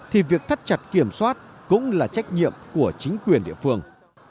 thì việc thắt chặt kiểm soát cũng là trách nhiệm của chính quyền địa phương